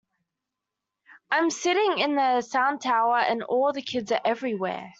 I'm sitting in the sound tower and all the kids are everywhere.